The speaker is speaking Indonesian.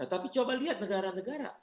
tapi coba lihat negara negara